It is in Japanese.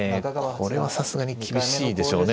これはさすがに厳しいでしょうね。